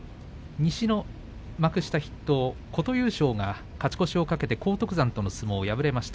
西の幕下筆頭琴裕将が勝ち越しを懸けて荒篤山との相撲で敗れました。